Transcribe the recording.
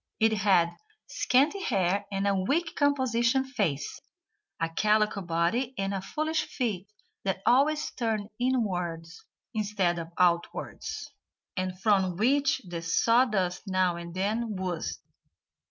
It had scanty hair and a weak composition face, a calico body and foolish feet that always turned inwards instead of outwards, and from which the sawdust now and then oozed.